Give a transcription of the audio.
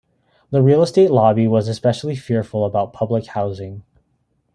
The real estate lobby was especially fearful about public housing.